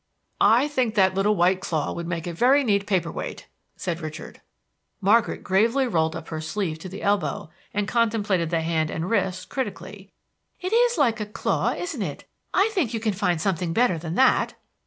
"I think that little white claw would make a very neat paper weight," said Richard. Margaret gravely rolled up her sleeve to the elbow, and contemplated the hand and wrist critically. "It is like a claw, isn't it. I think you can find something better than that."